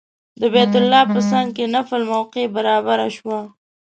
د بیت الله په څنګ کې نفل موقع برابره شوه.